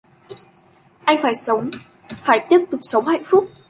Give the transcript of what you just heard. Anh phải sống phải tiếp tục sống hạnh phúc